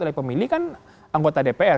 oleh pemilih kan anggota dpr